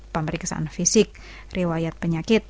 pemeriksaan fisik riwayat penyakit